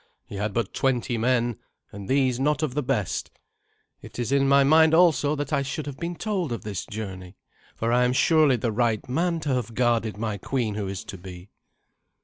"He had but twenty men, and these not of the best. It is in my mind also that I should have been told of this journey, for I am surely the right man to have guarded my queen who is to be."